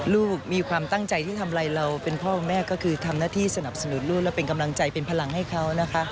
ลูกมีความตั้งใจที่ทำอะไรเราเป็นพ่อเป็นแม่ก็คือทำหน้าที่สนับสนุนลูกและเป็นกำลังใจเป็นพลังให้เขานะคะ